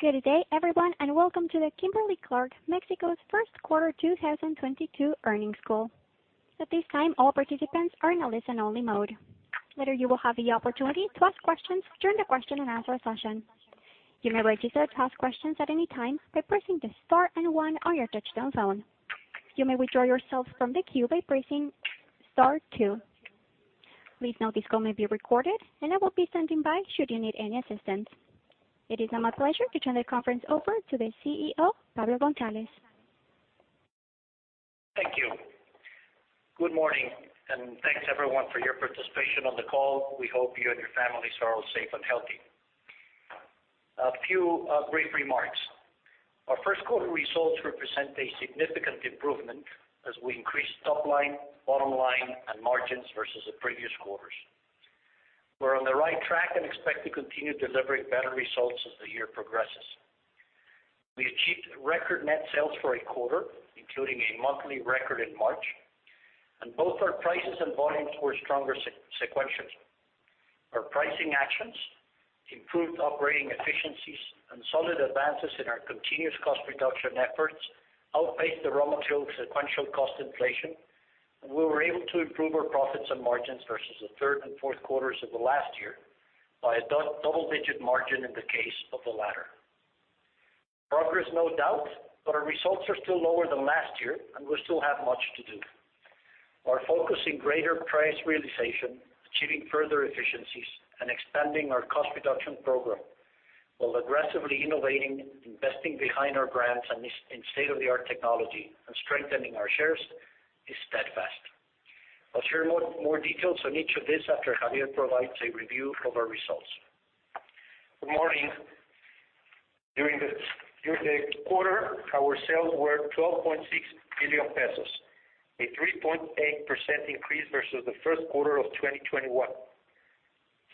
Good day everyone, and welcome to the Kimberly-Clark de México's first quarter 2022 earnings call. At this time, all participants are in a listen only mode. Later you will have the opportunity to ask questions during the question and answer session. You may register to ask questions at any time by pressing the star and one on your touchtone phone. You may withdraw yourself from the queue by pressing star two. Please note this call may be recorded, and I will be standing by should you need any assistance. It is now my pleasure to turn the conference over to the CEO, Pablo Gonzalez. Thank you. Good morning, and thanks everyone for your participation on the call. We hope you and your families are all safe and healthy. A few brief remarks. Our first quarter results represent a significant improvement as we increase top line, bottom line, and margins versus the previous quarters. We're on the right track and expect to continue delivering better results as the year progresses. We achieved record net sales for a quarter, including a monthly record in March, and both our prices and volumes were stronger sequentially. Our pricing actions, improved operating efficiencies, and solid advances in our continuous cost reduction efforts outpaced the raw material sequential cost inflation. We were able to improve our profits and margins versus the third and fourth quarters of the last year by a double-digit margin in the case of the latter. Progress no doubt, but our results are still lower than last year, and we still have much to do. Our focus on greater price realization, achieving further efficiencies, and expanding our cost reduction program, while aggressively innovating, investing behind our brands and in state-of-the-art technology and strengthening our shares, is steadfast. I'll share more details on each of these after Xavier provides a review of our results. Good morning. During the quarter, our sales were 12.6 billion pesos, a 3.8% increase versus the first quarter of 2021.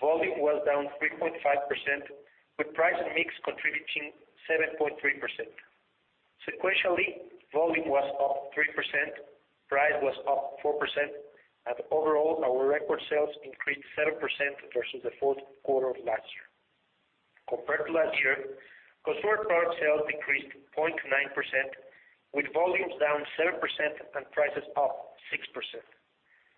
Volume was down 3.5%, with price and mix contributing 7.3%. Sequentially, volume was up 3%, price was up 4%, and overall, our record sales increased 7% versus the fourth quarter of last year. Compared to last year, consumer product sales decreased 0.9%, with volumes down 7% and prices up 6%.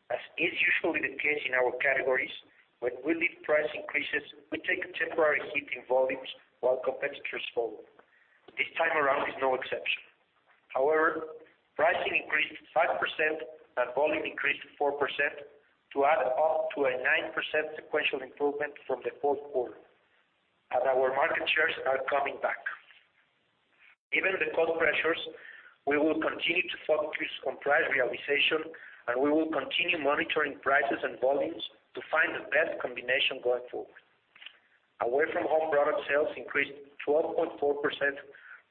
As is usually the case in our categories, when we lead price increases, we take temporary hit in volumes while competitors follow. This time around is no exception. However, pricing increased 5% and volume increased 4% to add up to a 9% sequential improvement from the fourth quarter, and our market shares are coming back. Given the cost pressures, we will continue to focus on price realization, and we will continue monitoring prices and volumes to find the best combination going forward. Away from home product sales increased 12.4%,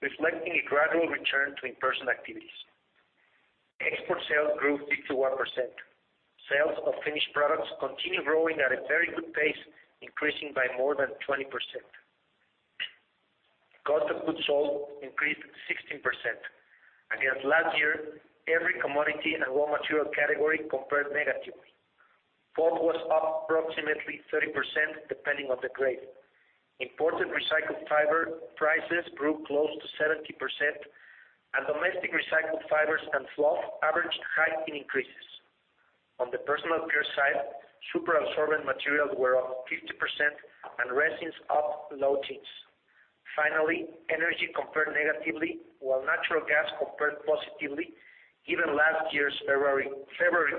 reflecting a gradual return to in-person activities. Export sales grew 51%. Sales of finished products continue growing at a very good pace, increasing by more than 20%. Cost of goods sold increased 16%. Against last year, every commodity and raw material category compared negatively. Pulp was up approximately 30%, depending on the grade. Imported recycled fiber prices grew close to 70%, and domestic recycled fibers and fluff averaged high in increases. On the personal care side, super absorbent materials were up 50% and resins up low teens. Finally, energy compared negatively, while natural gas compared positively, given last year's February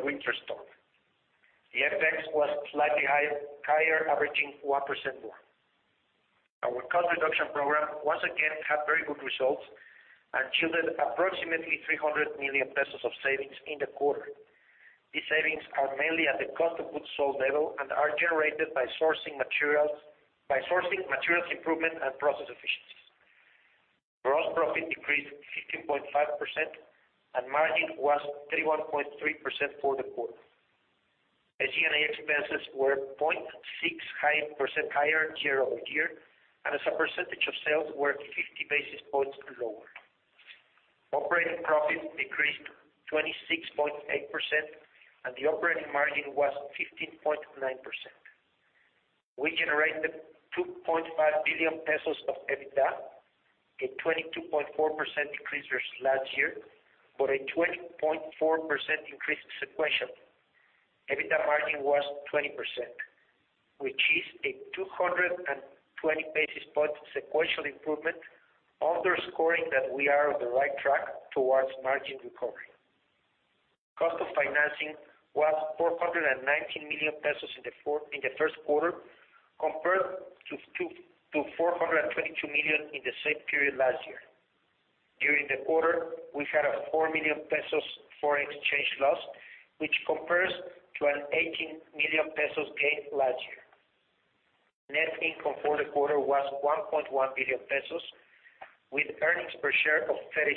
winter storm. The FX was slightly higher, averaging 1% more. Our cost reduction program once again had very good results and yielded approximately 300 million pesos of savings in the quarter. These savings are mainly at the cost of goods sold level and are generated by sourcing materials improvement and process efficiencies. Gross profit decreased 15.5%, and margin was 31.3% for the quarter. SG&A expenses were 0.6% higher year-over-year, and as a percentage of sales were 50 basis points lower. Operating profit decreased 26.8%, and the operating margin was 15.9%. We generated 2.5 billion pesos of EBITDA, a 22.4% decrease versus last year, but a 20.4% increase sequentially. EBITDA margin was 20%, which is a 220 basis point sequential improvement, underscoring that we are on the right track towards margin recovery. Cost of financing was 419 million pesos in the first quarter, compared to 422 million in the same period last year. During the quarter, we had 4 million pesos foreign exchange loss, which compares to 18 million pesos gain last year. Net income for the quarter was 1.1 billion pesos, with earnings per share of 0.36.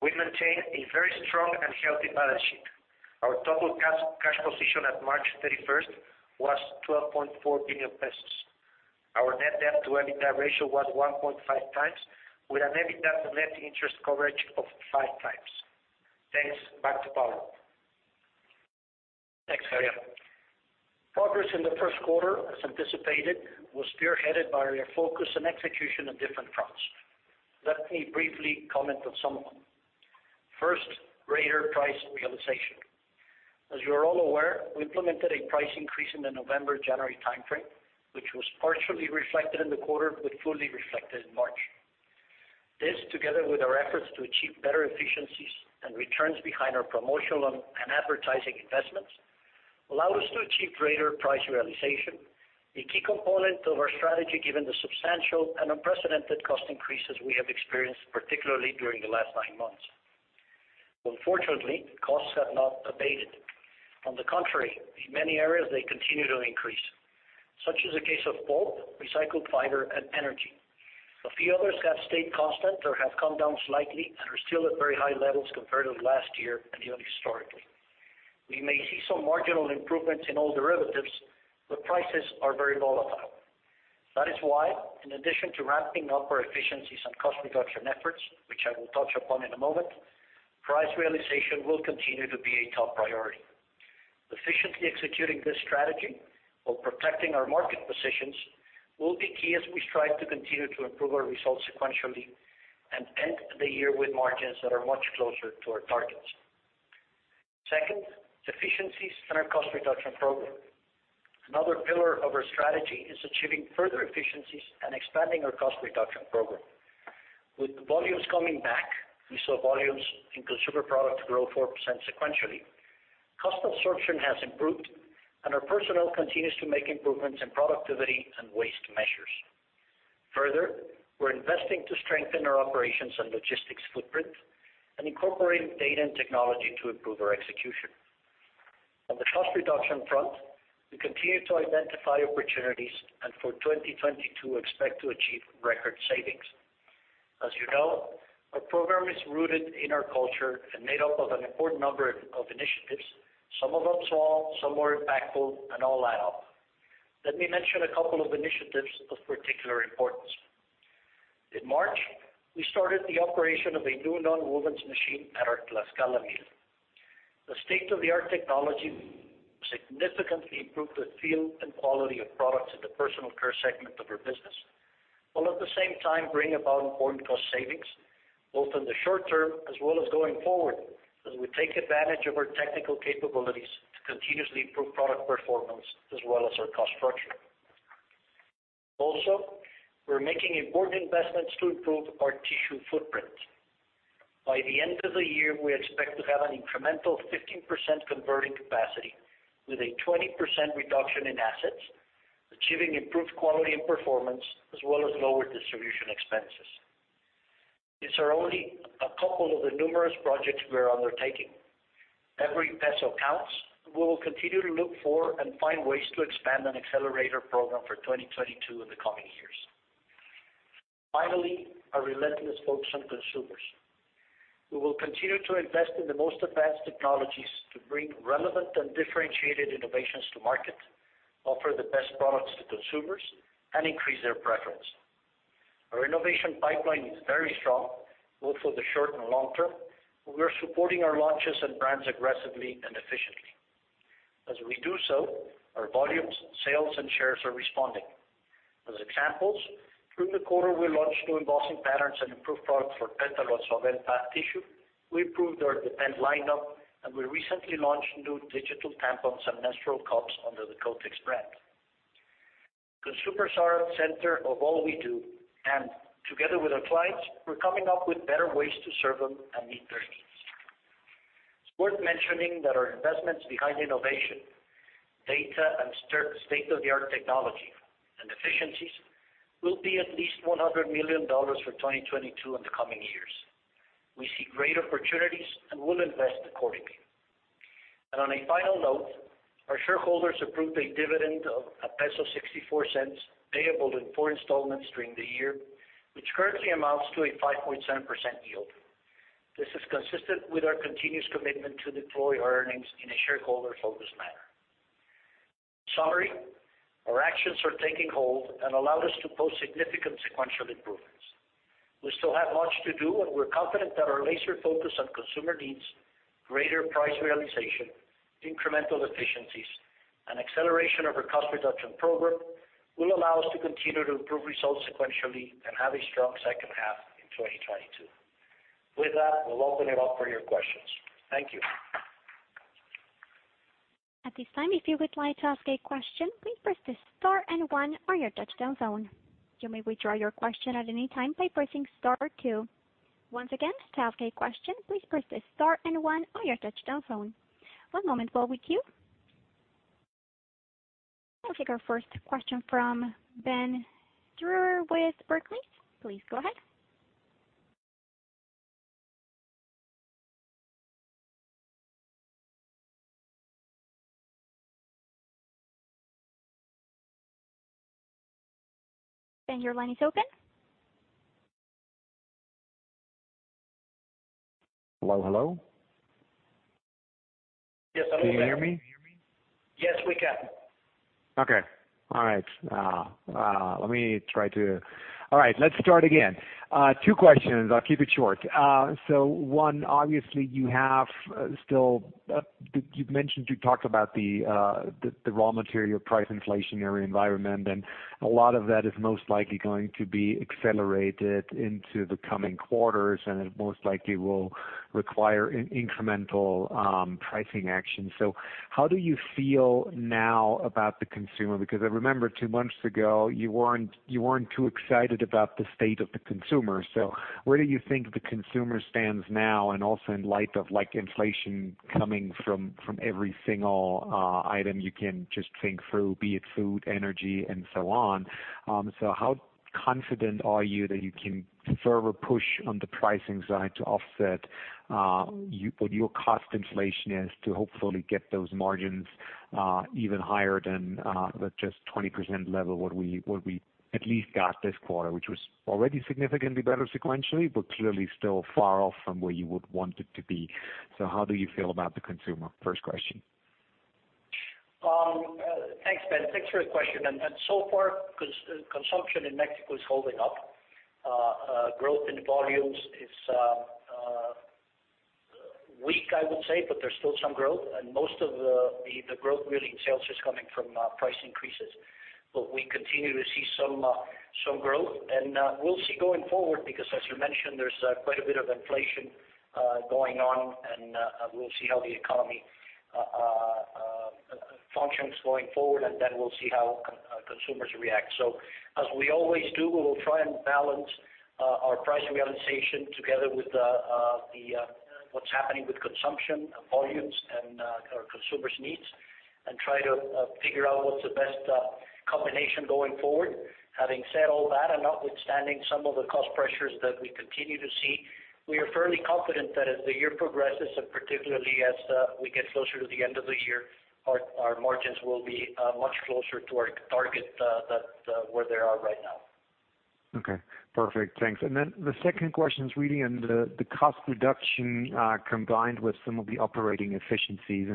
We maintain a very strong and healthy balance sheet. Our total cash position at March thirty-first was 12.4 billion pesos. Our net debt to EBITDA ratio was 1.5x with an EBITDA to net interest coverage of 5x. Thanks. Back to Paulo. Thanks, Xavier. Progress in the first quarter, as anticipated, was spearheaded by our focus and execution on different fronts. Let me briefly comment on some of them. First, greater price realization. As you are all aware, we implemented a price increase in the November-January timeframe, which was partially reflected in the quarter, but fully reflected in March. This, together with our efforts to achieve better efficiencies and returns behind our promotional and advertising investments, allow us to achieve greater price realization, a key component of our strategy, given the substantial and unprecedented cost increases we have experienced, particularly during the last nine months. Unfortunately, costs have not abated. On the contrary, in many areas they continue to increase, such as the case of pulp, recycled fiber, and energy. A few others have stayed constant or have come down slightly and are still at very high levels compared to last year and even historically. We may see some marginal improvements in oil derivatives, but prices are very volatile. That is why, in addition to ramping up our efficiencies and cost reduction efforts, which I will touch upon in a moment, price realization will continue to be a top priority. Efficiently executing this strategy while protecting our market positions will be key as we strive to continue to improve our results sequentially and end the year with margins that are much closer to our targets. Second, efficiencies and our cost reduction program. Another pillar of our strategy is achieving further efficiencies and expanding our cost reduction program. With the volumes coming back, we saw volumes in consumer products grow 4% sequentially. Cost absorption has improved, and our personnel continues to make improvements in productivity and waste measures. Further, we're investing to strengthen our operations and logistics footprint and incorporate data and technology to improve our execution. On the cost reduction front, we continue to identify opportunities, and for 2022 expect to achieve record savings. As you know, our program is rooted in our culture and made up of an important number of initiatives, some of them small, some more impactful, and all add up. Let me mention a couple of initiatives of particular importance. In March, we started the operation of a new nonwovens machine at our Tlaxcala mill. The state-of-the-art technology significantly improved the feel and quality of products in the personal care segment of our business, while at the same time bring about important cost savings, both in the short term as well as going forward, as we take advantage of our technical capabilities to continuously improve product performance as well as our cost structure. Also, we're making important investments to improve our tissue footprint. By the end of the year, we expect to have an incremental 15% converting capacity with a 20% reduction in assets, achieving improved quality and performance as well as lower distribution expenses. These are only a couple of the numerous projects we are undertaking. Every peso counts. We will continue to look for and find ways to expand and accelerate our program for 2022 in the coming years. Finally, our relentless focus on consumers. We will continue to invest in the most advanced technologies to bring relevant and differentiated innovations to market, offer the best products to consumers, and increase their preference. Our innovation pipeline is very strong, both for the short and long term. We are supporting our launches and brands aggressively and efficiently. As we do so, our volumes, sales, and shares are responding. As examples, through the quarter we launched new embossing patterns and improved products for Petal and Suavel bath tissue. We improved our Depend lineup, and we recently launched new digital tampons and menstrual cups under the Kotex brand. Consumers are at the center of all we do, and together with our clients, we're coming up with better ways to serve them and meet their needs. It's worth mentioning that our investments behind innovation, data, and state-of-the-art technology and efficiencies will be at least $100 million for 2022 in the coming years. We see great opportunities and will invest accordingly. On a final note, our shareholders approved a dividend of peso 1.64, payable in four installments during the year, which currently amounts to a 5.7% yield. This is consistent with our continuous commitment to deploy our earnings in a shareholder-focused manner. In summary, our actions are taking hold and allowed us to post significant sequential improvements. We still have much to do, and we're confident that our laser focus on consumer needs, greater price realization, incremental efficiencies, and acceleration of our cost reduction program will allow us to continue to improve results sequentially and have a strong second half in 2022. With that, we'll open it up for your questions. Thank you. We'll take our first question from Ben Drew with Barclays. Please go ahead. Ben, your line is open. Hello. Hello. Yes, I'm here. Can you hear me? Yes, we can. Two questions. I'll keep it short. One, obviously you have still you've mentioned you talked about the raw material price inflationary environment, and a lot of that is most likely going to be accelerated into the coming quarters and it most likely will require incremental pricing action. How do you feel now about the consumer? Because I remember two months ago, you weren't too excited about the state of the consumer. Where do you think the consumer stands now? And also in light of like inflation coming from every single item you can just think through, be it food, energy and so on. How confident are you that you can further push on the pricing side to offset your cost inflation to hopefully get those margins even higher than the just 20% level, what we at least got this quarter, which was already significantly better sequentially, but clearly still far off from where you would want it to be. How do you feel about the consumer? First question. Thanks, Ben. Thanks for your question. So far, consumption in Mexico is holding up. Growth in volumes is weak, I would say, but there's still some growth, and most of the growth really in sales is coming from price increases. We continue to see some growth. We'll see going forward, because as you mentioned, there's quite a bit of inflation going on, and we'll see how the economy functions going forward, and then we'll see how consumers react. As we always do, we will try and balance our price realization together with what's happening with consumption, volumes and our consumers' needs, and try to figure out what's the best combination going forward. Having said all that, and notwithstanding some of the cost pressures that we continue to see, we are fairly confident that as the year progresses, and particularly as we get closer to the end of the year, our margins will be much closer to our target than where they are right now. Okay. Perfect. Thanks. The second question is really on the cost reduction combined with some of the operating efficiencies.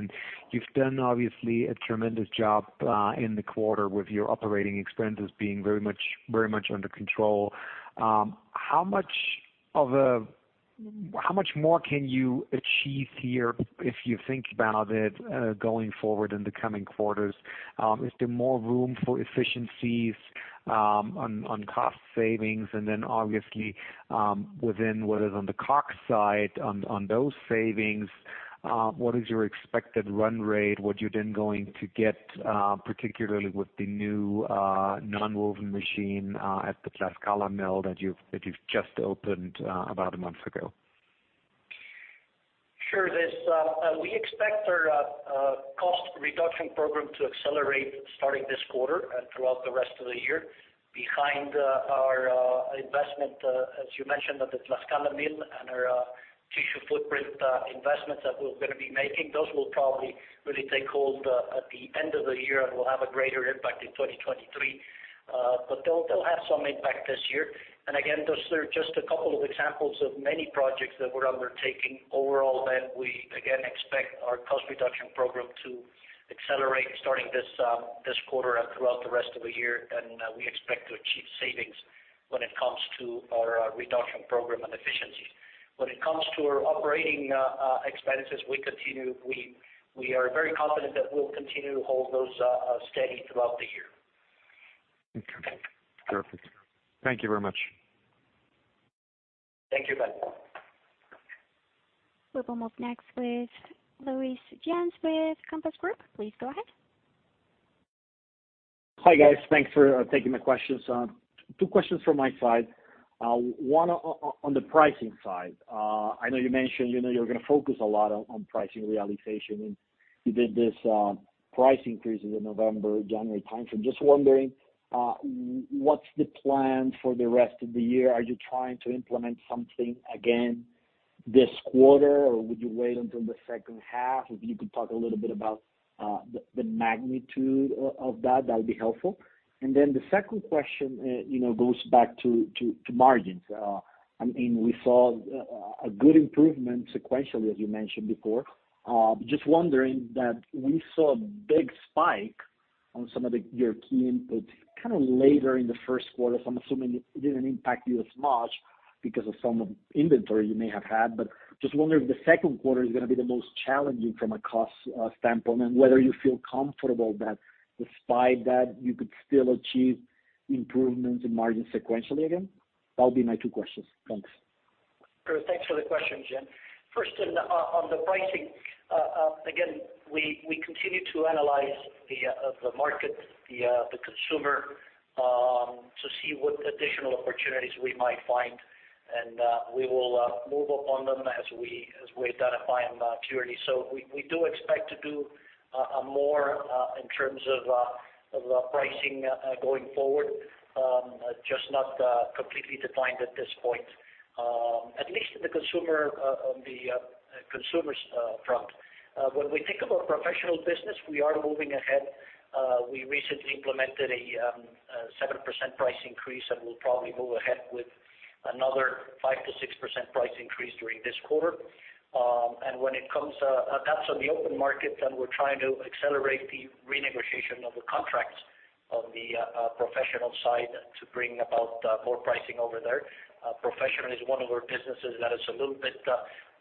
You've done obviously a tremendous job in the quarter with your operating expenses being very much under control. How much more can you achieve here, if you think about it, going forward in the coming quarters? Is there more room for efficiencies on cost savings? Obviously, within what is on the COGS side on those savings, what is your expected run rate? What you're then going to get, particularly with the new nonwoven machine at the Tlaxcala mill that you've just opened about a month ago. Sure. We expect our cost reduction program to accelerate starting this quarter and throughout the rest of the year. Behind our investment, as you mentioned, at the Tlaxcala mill and our tissue footprint investments that we're gonna be making, those will probably really take hold at the end of the year and will have a greater impact in 2023. But they'll have some impact this year. Again, those are just a couple of examples of many projects that we're undertaking overall. We again expect our cost reduction program to accelerate starting this quarter and throughout the rest of the year. We expect to achieve savings when it comes to our reduction program and efficiency. When it comes to our operating expenses, we continue... We are very confident that we'll continue to hold those steady throughout the year. Okay. Perfect. Thank you very much. Thank you, Ben. We will move next with Luis Yllanes with Compass Group. Please go ahead. Hi, guys. Thanks for taking the questions. Two questions from my side. One on the pricing side. I know you mentioned, you know, you're gonna focus a lot on pricing realization, and you did this price increases in November, January timeframe. Just wondering, what's the plan for the rest of the year? Are you trying to implement something again this quarter, or would you wait until the second half? If you could talk a little bit about the magnitude of that'd be helpful. And then the second question, you know, goes back to margins. I mean, we saw a good improvement sequentially as you mentioned before. Just wondering that we saw a big spike on some of your key inputs kind of later in the first quarter. I'm assuming it didn't impact you as much because of some of inventory you may have had. Just wondering if the second quarter is gonna be the most challenging from a cost standpoint, and whether you feel comfortable that despite that, you could still achieve improvements in margins sequentially again. That would be my two questions. Thanks. Sure. Thanks for the question, Jen. First, on the pricing, again, we continue to analyze the market, the consumer to see what additional opportunities we might find. We will move upon them as we identify them purely. We do expect to do more in terms of pricing going forward, just not completely defined at this point. At least in the consumer, on the consumer side, when we think about professional business, we are moving ahead. We recently implemented a 7% price increase, and we'll probably move ahead with another 5%-6% price increase during this quarter. When it comes, that's on the open market, and we're trying to accelerate the renegotiation of the contracts on the professional side to bring about more pricing over there. Professional is one of our businesses that is a little bit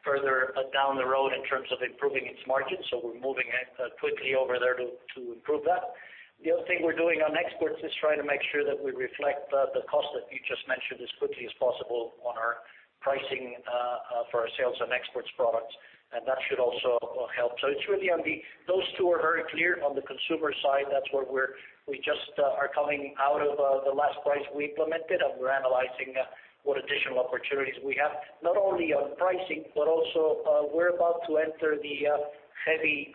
further down the road in terms of improving its margins. We're moving quickly over there to improve that. The other thing we're doing on exports is trying to make sure that we reflect the cost that you just mentioned as quickly as possible on our pricing for our sales and exports products, and that should also help. Those two are very clear. On the consumer side, that's where we're just coming out of the last price we implemented, and we're analyzing what additional opportunities we have, not only on pricing, but also, we're about to enter the heavy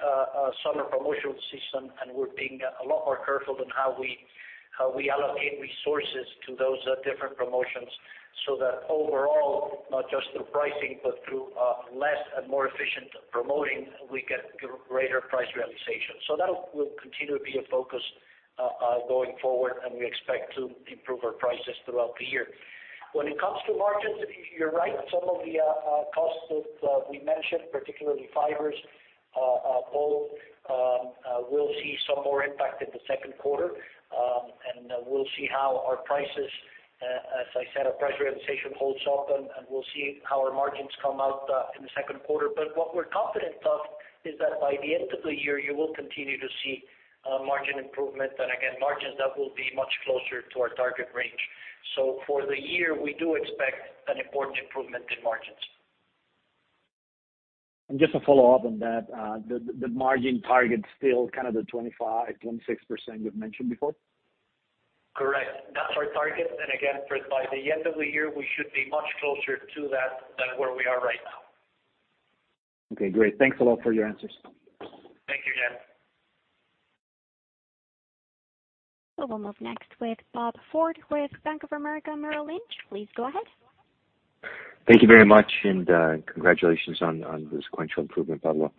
summer promotional season, and we're being a lot more careful on how we allocate resources to those different promotions so that overall, not just through pricing, but through less and more efficient promoting, we get greater price realization. So that'll continue to be a focus going forward, and we expect to improve our prices throughout the year. When it comes to margins, you're right. Some of the costs that we mentioned, particularly fibers both, will see some more impact in the second quarter. We'll see how our prices, as I said, our price realization holds up, and we'll see how our margins come out in the second quarter. What we're confident of is that by the end of the year, you will continue to see margin improvement, and again, margins that will be much closer to our target range. For the year, we do expect an important improvement in margins. Just to follow up on that, the margin target's still kind of the 25%-26% you've mentioned before? Correct. That's our target. Again, by the end of the year, we should be much closer to that than where we are right now. Okay, great. Thanks a lot for your answers. Thank you, Jen. We'll move next with Bob Ford with Bank of America Merrill Lynch. Please go ahead. Thank you very much, and congratulations on the sequential improvement, Pablo.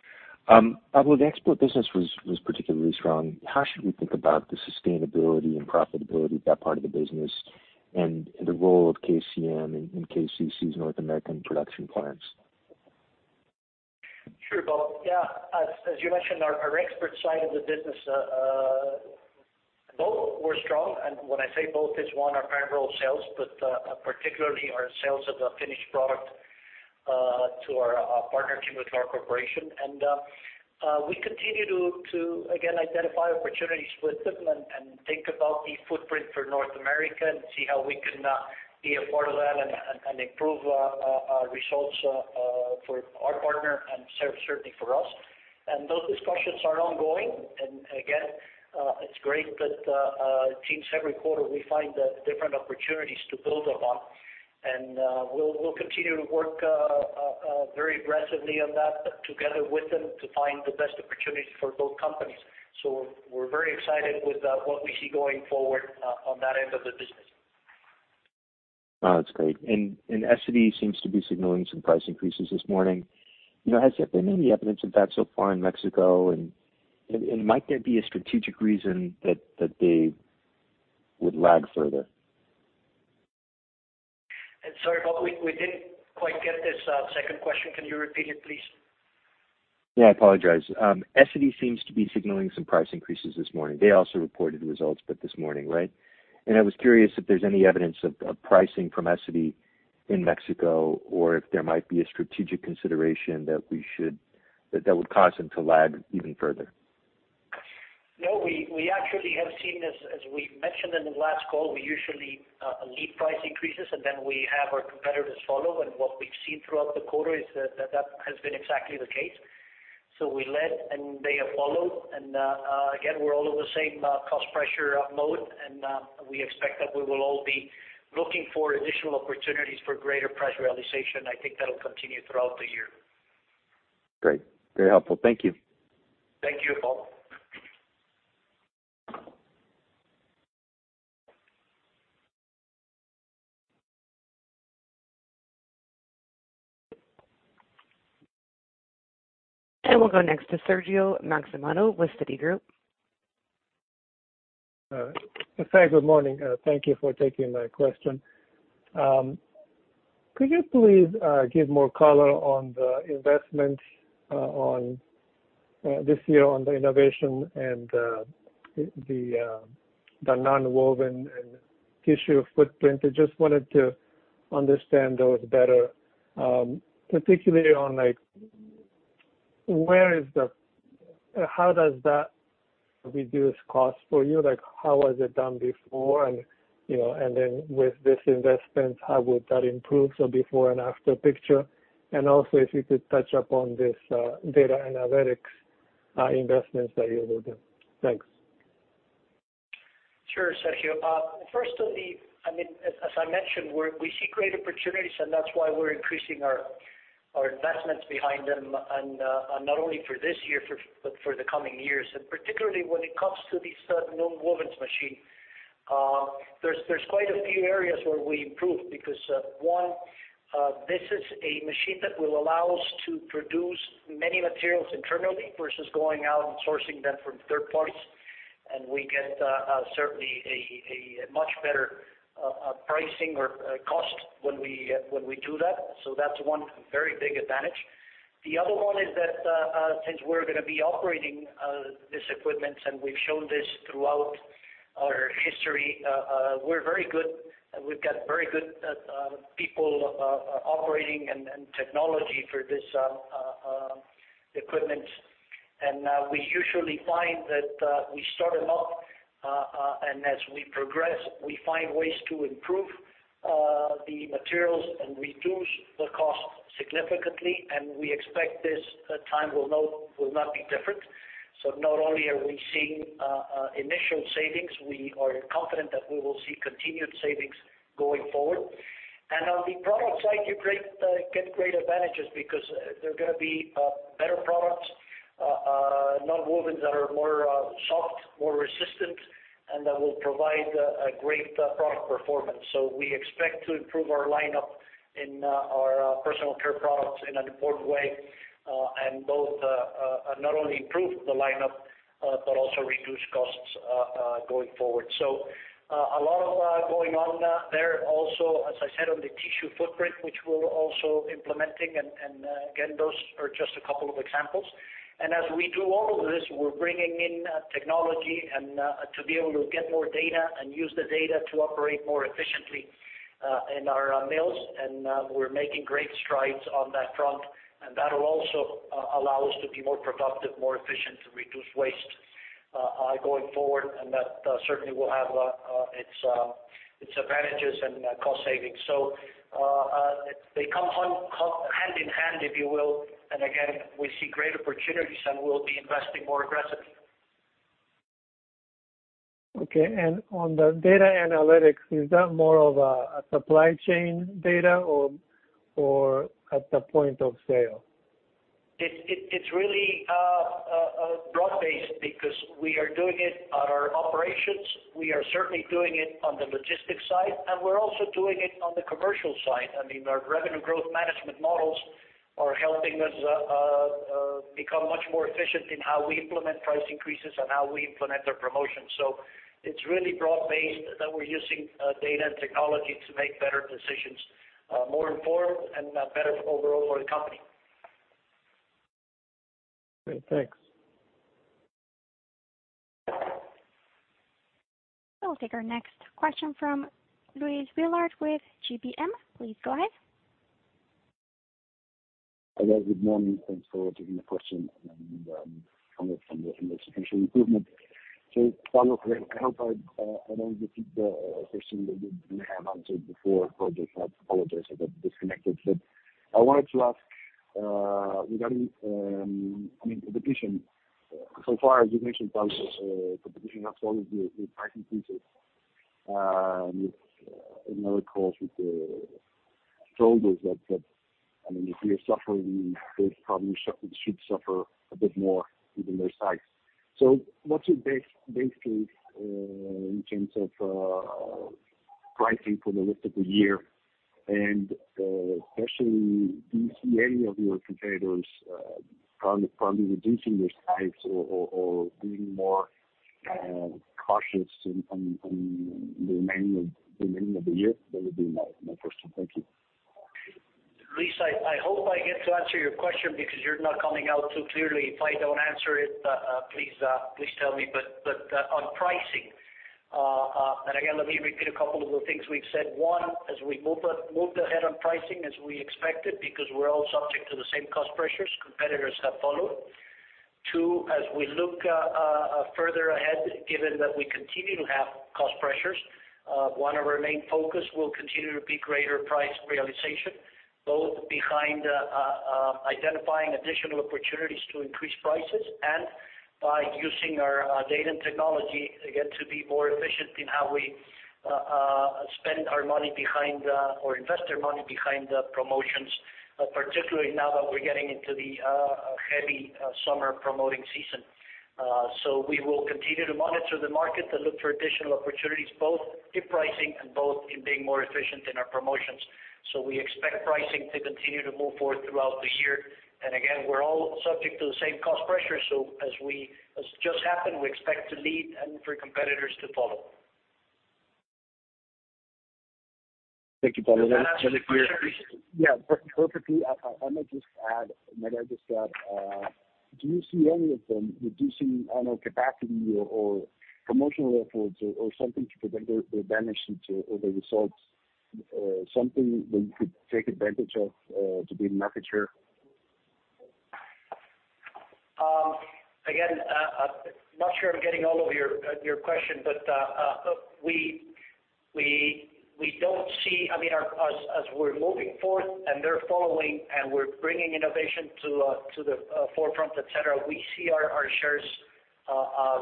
Pablo, the export business was particularly strong. How should we think about the sustainability and profitability of that part of the business and the role of KCM in KCC's North American production plants? Sure, Bob. Yeah. As you mentioned, our export side of the business, both were strong. When I say both, it's one, our primary role is sales, but particularly our sales of the finished product to our partnership with North American Corporation. We continue to again identify opportunities with them and think about the footprint for North America and see how we can be a part of that and improve results for our partner and certainly for us. Those discussions are ongoing. Again, it's great that teams every quarter, we find different opportunities to build upon. We'll continue to work very aggressively on that together with them to find the best opportunity for both companies. We're very excited with what we see going forward on that end of the business. Oh, that's great. Essity seems to be signaling some price increases this morning. You know, has there been any evidence of that so far in Mexico? Might there be a strategic reason that they would lag further? Sorry, Bob, we didn't quite get this second question. Can you repeat it, please? Yeah, I apologize. Essity seems to be signaling some price increases this morning. They also reported results, but this morning, right? I was curious if there's any evidence of pricing from Essity in Mexico or if there might be a strategic consideration that would cause them to lag even further. No, we actually have seen this, as we mentioned in the last call, we usually lead price increases, and then we have our competitors follow. What we've seen throughout the quarter is that that has been exactly the case. We led, and they have followed. Again, we're all in the same cost pressure mode, and we expect that we will all be looking for additional opportunities for greater price realization. I think that'll continue throughout the year. Great. Very helpful. Thank you. Thank you, Bob. We'll go next to Sergio Matsumoto with Citigroup. Hi, good morning. Thank you for taking my question. Could you please give more color on the investment this year on the innovation and the nonwoven and tissue footprint? I just wanted to understand those better, particularly on, like, how does that reduce costs for you? Like, how was it done before? You know, with this investment, how would that improve? Before and after picture. Also, if you could touch upon this data analytics investments that you will do. Thanks. Sure, Sergio. I mean, as I mentioned, we see great opportunities, and that's why we're increasing our investments behind them, and not only for this year but for the coming years. Particularly when it comes to this nonwovens machine, there's quite a few areas where we improve because one, this is a machine that will allow us to produce many materials internally versus going out and sourcing them from third parties. We get certainly a much better pricing or cost when we do that. That's one very big advantage. The other one is that since we're gonna be operating this equipment, and we've shown this throughout our history, we've got very good people operating and technology for this equipment. We usually find that we started off and as we progress, we find ways to improve the materials and reduce the cost significantly, and we expect this time will not be different. Not only are we seeing initial savings, we are confident that we will see continued savings going forward. On the product side, you get great advantages because they're gonna be better products, nonwovens that are more soft, more resistant, and that will provide a great product performance. We expect to improve our lineup in our personal care products in an important way, and both not only improve the lineup, but also reduce costs going forward. A lot going on there also, as I said, on the tissue footprint, which we're also implementing. Again, those are just a couple of examples. As we do all of this, we're bringing in technology and to be able to get more data and use the data to operate more efficiently in our mills. We're making great strides on that front. That will also allow us to be more productive, more efficient, to reduce waste going forward. That certainly will have its advantages and cost savings. They come hand in hand, if you will. Again, we see great opportunities and we'll be investing more aggressively. Okay. On the data analytics, is that more of a supply chain data or at the point of sale? It's really broad-based because we are doing it at our operations. We are certainly doing it on the logistics side, and we're also doing it on the commercial side. I mean, our revenue growth management models are helping us become much more efficient in how we implement price increases and how we implement our promotions. It's really broad-based that we're using data and technology to make better decisions, more informed and better overall for the company. Great. Thanks. We'll take our next question from Luis Willard with GBM. Please go ahead. Hi, guys. Good morning. Thanks for taking the question on the execution improvement. Pablo, I hope I don't repeat the question that you may have answered before. Apologies, I got disconnected. I wanted to ask regarding, I mean, the division. So far, as you mentioned, Pablo, the division has followed the price increases. I mean, if we are suffering, they probably should suffer a bit more given their size. What's your best guess in terms of pricing for the rest of the year? And especially, do you see any of your competitors probably reducing their size or being more cautious in the remainder of the year? That would be my question. Thank you. Luis, I hope I get to answer your question because you're not coming out too clearly. If I don't answer it, please tell me. On pricing, and again, let me repeat a couple of the things we've said. One, as we move ahead on pricing as we expected, because we're all subject to the same cost pressures, competitors have followed. Two, as we look further ahead, given that we continue to have cost pressures, one of our main focus will continue to be greater price realization, both behind identifying additional opportunities to increase prices and by using our data and technology, again, to be more efficient in how we spend our money behind, or invest our money behind the promotions, particularly now that we're getting into the heavy summer promotion season. We will continue to monitor the market to look for additional opportunities, both in pricing and both in being more efficient in our promotions. We expect pricing to continue to move forward throughout the year. Again, we're all subject to the same cost pressure. As just happened, we expect to lead and for competitors to follow. Thank you, Pablo. Yeah, perfectly. I might just add what I just said. Do you see any of them reducing on our capacity or promotional efforts or something to prevent the damage to the results? Something that you could take advantage of to be in market share? Again, I'm not sure I'm getting all of your question, but we don't see—I mean, as we're moving forward and they're following and we're bringing innovation to the forefront, et cetera, we see our shares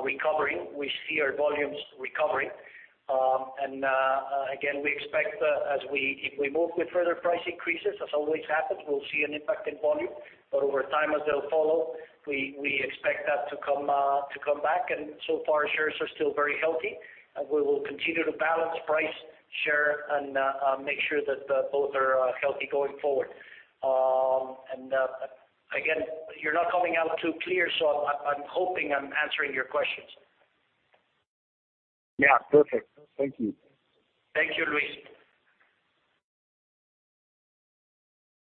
recovering. We see our volumes recovering. Again, we expect, if we move with further price increases, as always happens, we'll see an impact in volume. But over time, as they'll follow, we expect that to come back. So far, shares are still very healthy, and we will continue to balance price, share, and make sure that both are healthy going forward. Again, you're not coming out too clear, so I'm hoping I'm answering your questions. Yeah. Perfect. Thank you. Thank you, Luis.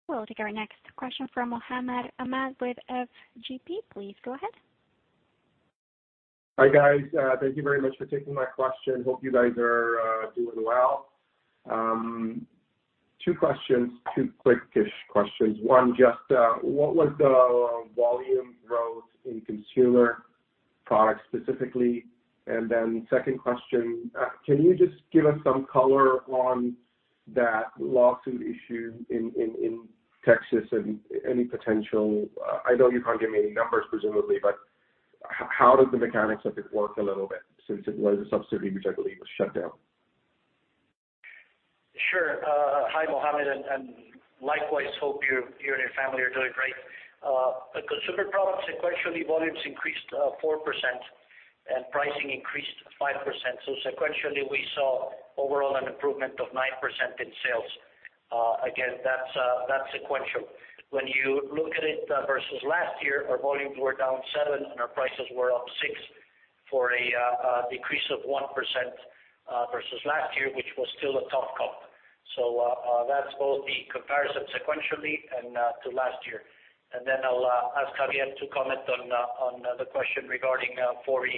We'll take our next question from Mohammed Ahmed with FGP. Please go ahead. Hi, guys. Thank you very much for taking my question. Hope you guys are doing well. Two questions, two quickish questions. One, just what was the volume growth in consumer products specifically? Second question, can you just give us some color on that lawsuit issue in Texas and any potential. I know you can't give me any numbers presumably, but how does the mechanics of it work a little bit since it was a subsidiary which I believe was shut down? Sure. Hi, Mohammed, and likewise, hope you and your family are doing great. The consumer products sequentially volumes increased 4%, and pricing increased 5%. Sequentially, we saw overall an improvement of 9% in sales. Again, that's sequential. When you look at it versus last year, our volumes were down 7%, and our prices were up 6% for a decrease of 1% versus last year, which was still a tough comp. That's both the comparison sequentially and to last year. Then I'll ask Xavier to comment on the question regarding four E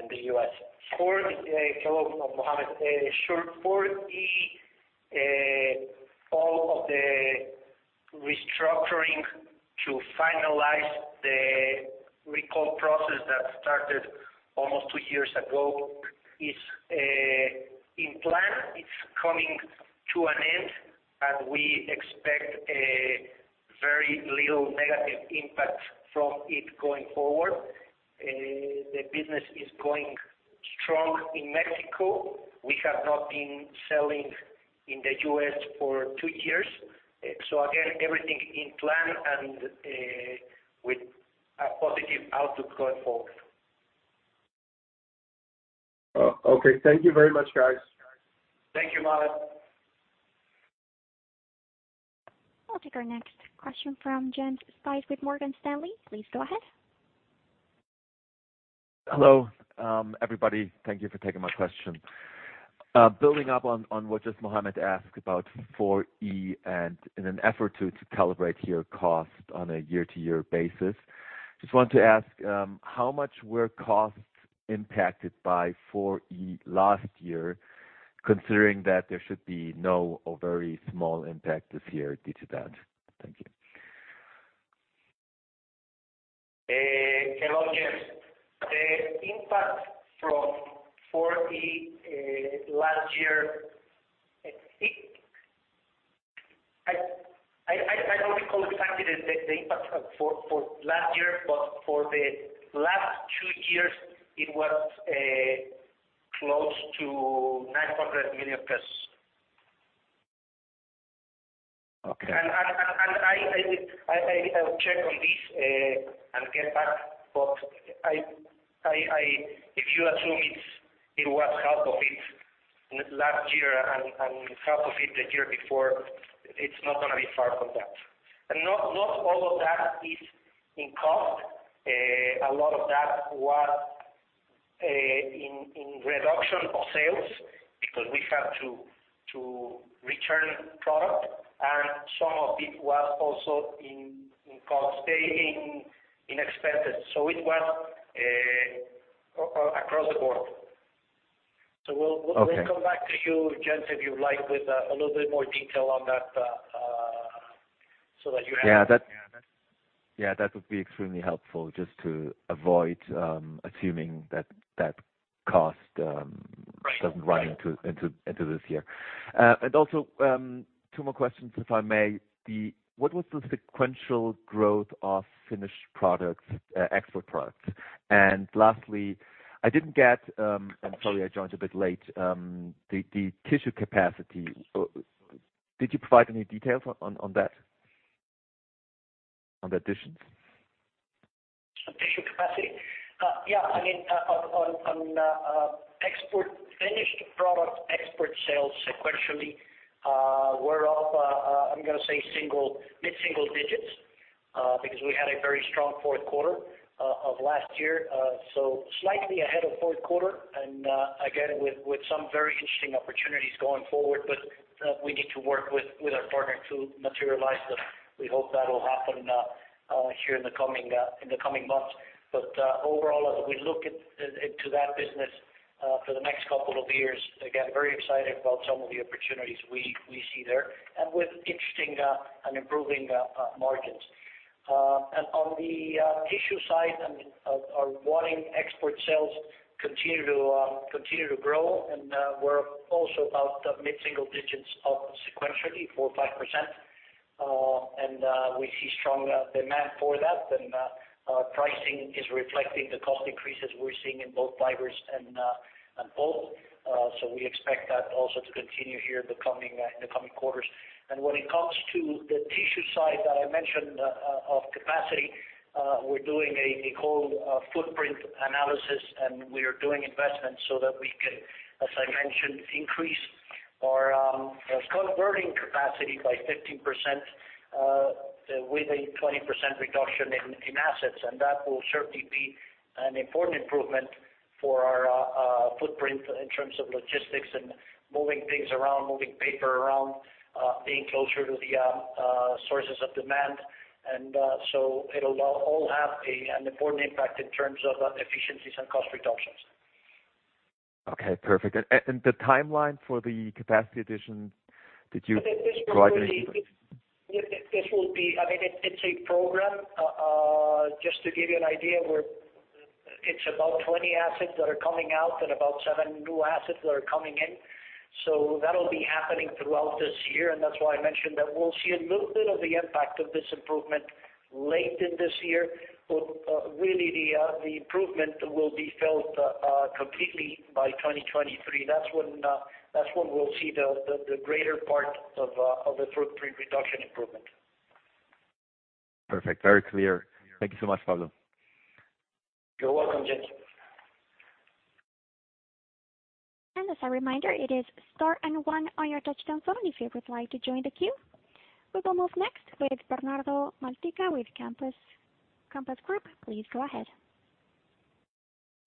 in the U.S. Hello, Mohammed. Sure. For all of the restructuring to finalize the recall process that started almost two years ago is in plan. It's coming to an end, and we expect very little negative impact from it going forward. The business is going strong in Mexico. We have not been selling in the U.S. for two years. Again, everything in plan and with a positive outlook going forward. Oh, okay. Thank you very much, guys. Thank you, Mohammed. I'll take our next question from Jens Spiess with Morgan Stanley. Please go ahead. Hello, everybody. Thank you for taking my question. Building up on what just Mohammed asked about four E and in an effort to calibrate your cost on a year-to-year basis, just want to ask, how much were costs impacted by four E last year, considering that there should be no or very small impact this year due to that? Thank you. Hello, Jens. The impact from Four E last year, I think I don't recall exactly the impact for last year, but for the last two years, it was close to MXN 900 million. Okay. I'll check on this and get back, but if you assume it was half of it last year and half of it the year before, it's not gonna be far from that. Not all of that is in cost. A lot of that was in reduction of sales because we had to return product, and some of it was also in cost, in expenses. It was across the board. Okay. We'll come back to you, Jens, if you like, with a little bit more detail on that so that you have it. Yeah. That would be extremely helpful just to avoid assuming that cost. Right. doesn't run into this year. Two more questions, if I may. What was the sequential growth of finished products, export products? Lastly, I didn't get, and sorry, I joined a bit late, the tissue capacity. Did you provide any details on that? On the additions? The tissue capacity? I mean, on export finished product export sales sequentially, we're up. I'm gonna say mid-single digits%, because we had a very strong fourth quarter of last year. Slightly ahead of fourth quarter and again, with some very interesting opportunities going forward. We need to work with our partner to materialize them. We hope that'll happen here in the coming months. Overall, as we look into that business for the next couple of years, again, very excited about some of the opportunities we see there and with interesting and improving margins. On the tissue side, our ongoing export sales continue to grow, and we're also about the mid-single digits up sequentially, 4%-5%. We see strong demand for that. Pricing is reflecting the cost increases we're seeing in both fibers and pulp. We expect that also to continue here in the coming quarters. When it comes to the tissue side that I mentioned on capacity, we're doing a whole footprint analysis, and we are doing investments so that we can, as I mentioned, increase our converting capacity by 15%, with a 20% reduction in assets. That will certainly be an important improvement for our footprint in terms of logistics and moving things around, moving paper around, being closer to the sources of demand. It'll all have an important impact in terms of efficiencies and cost reductions. Okay, perfect. The timeline for the capacity addition, did you provide any? This will be. I mean, it's a program. Just to give you an idea where it's about 20 assets that are coming out and about seven new assets that are coming in. That'll be happening throughout this year, and that's why I mentioned that we'll see a little bit of the impact of this improvement late in this year. Really the improvement will be felt completely by 2023. That's when we'll see the greater part of the footprint reduction improvement. Perfect. Very clear. Thank you so much, Pablo. You're welcome, Jens. As a reminder, it is star and one on your touchtone phone if you would like to join the queue. We will move next with Bernardo Malpica with Compass Group. Please go ahead.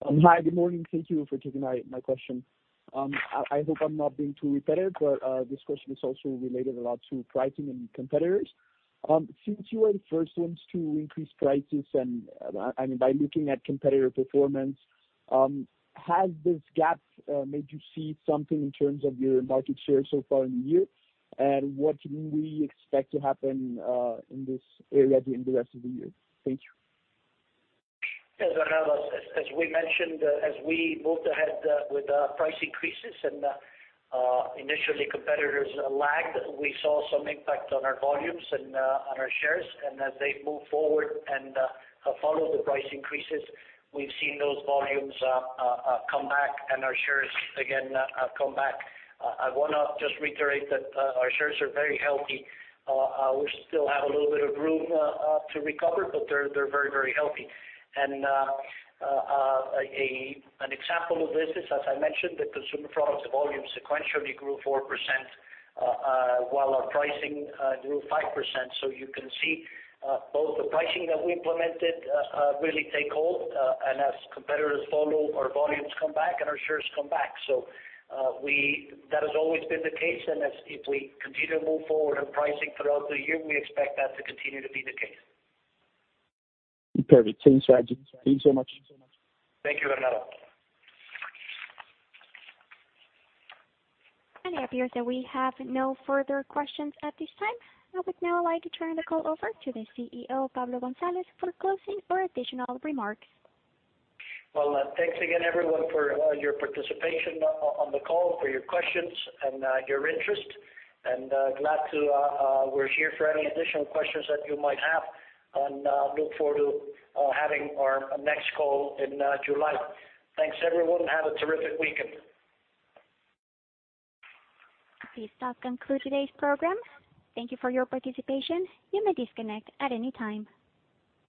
Hi. Good morning. Thank you for taking my question. I hope I'm not being too repetitive, but this question is also related a lot to pricing and competitors. Since you are the first ones to increase prices and, I mean, by looking at competitor performance, has this gap made you see something in terms of your market share so far in the year? What do we expect to happen in this area during the rest of the year? Thank you. Yes, Bernardo. As we mentioned, as we moved ahead with price increases and initially competitors lagged, we saw some impact on our volumes and on our shares. As they move forward and follow the price increases, we've seen those volumes come back and our shares again come back. I wanna just reiterate that our shares are very healthy. We still have a little bit of room to recover, but they're very healthy. An example of this is, as I mentioned, the consumer products volume sequentially grew 4% while our pricing grew 5%. You can see both the pricing that we implemented really take hold. As competitors follow, our volumes come back and our shares come back. We... That has always been the case. As we continue to move forward on pricing throughout the year, we expect that to continue to be the case. Perfect. Thanks, Pablo. Thank you so much. Thank you, Bernardo. It appears that we have no further questions at this time. I would now like to turn the call over to the CEO, Pablo Gonzalez, for closing or additional remarks. Well, thanks again everyone for your participation on the call, for your questions and your interest. We're here for any additional questions that you might have. Look forward to having our next call in July. Thanks everyone, and have a terrific weekend. This does conclude today's program. Thank you for your participation. You may disconnect at any time.